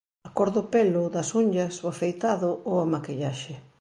A cor do pelo, das unllas, o afeitado ou a maquillaxe.